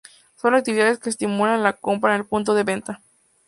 Son actividades que estimulan la compra en el punto de venta.